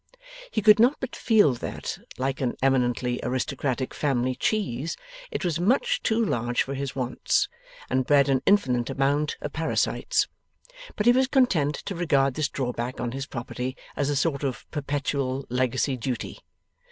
He could not but feel that, like an eminently aristocratic family cheese, it was much too large for his wants, and bred an infinite amount of parasites; but he was content to regard this drawback on his property as a sort of perpetual Legacy Duty.